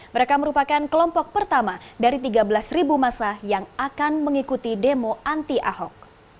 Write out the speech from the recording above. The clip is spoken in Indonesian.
mereka merupakan kelompok pertama dari tiga belas masa yang akan mengikuti demo anti ahok